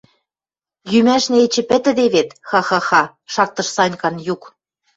Йӱмӓшнӓ эче пӹтӹде вет, ха-ха-ха! — шактыш Санькан юк.